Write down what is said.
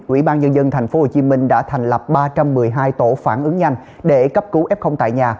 ubnd tp hcm đã thành lập ba trăm một mươi hai tổ phản ứng nhanh để cấp cứu f tại nhà